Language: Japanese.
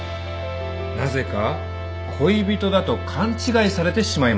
なぜか恋人だと勘違いされてしまいました。